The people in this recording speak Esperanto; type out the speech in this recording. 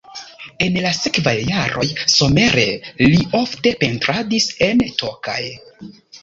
En la sekvaj jaroj somere li ofte pentradis en Tokaj.